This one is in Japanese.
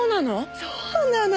そうなの？